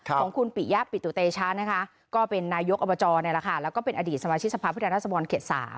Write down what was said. ของคุณปิยะปิตุเตชะนะคะก็เป็นนายกอบจแล้วก็เป็นอดีตสมาชิกสภาพผู้แทนรัศดรเขต๓